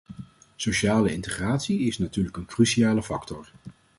Sociale integratie is natuurlijk een cruciale factor.